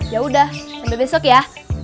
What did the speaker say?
yaudah sampai besok ya